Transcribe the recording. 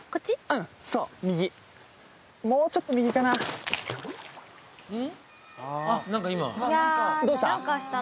うんそう右もうちょっと右かなどうした？